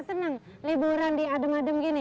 senang liburan di adem adem gini